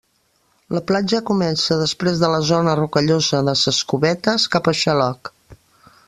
La platja comença després de la zona rocallosa de ses Covetes, cap a Xaloc.